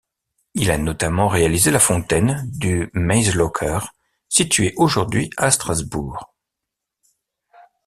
Il a notamment réalisé la fontaine du Meiselocker située aujourd'hui à Strasbourg.